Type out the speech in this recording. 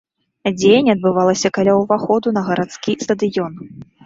Дзеянне адбывалася каля ўваходу на гарадскі стадыён.